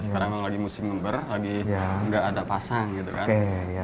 sekarang kan lagi musim gember lagi tidak ada pasang gitu kan